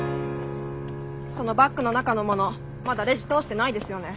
そのバッグの中の物まだレジ通してないですよね。